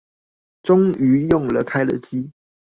終於用了開了機